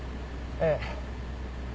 ええ。